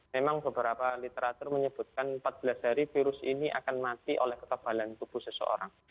memang beberapa literatur menyebutkan empat belas hari virus ini akan mati oleh kekebalan tubuh seseorang